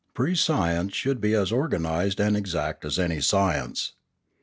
Prescience should be as organised and exact as any science.